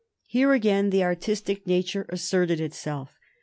Here again the artistic nature asserted itself.